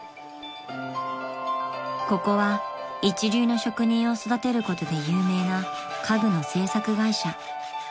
［ここは一流の職人を育てることで有名な家具の製作会社］